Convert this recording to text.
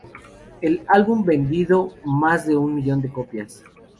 El álbum vendió más de un millón de copias.